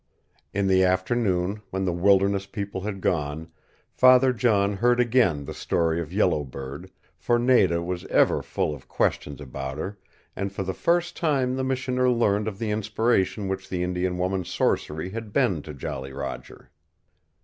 In the afternoon, when the wilderness people had gone, Father John heard again the story of Yellow Bird, for Nada was ever full of questions about her, and for the first time the Missioner learned of the inspiration which the Indian woman's sorcery had been to Jolly Roger.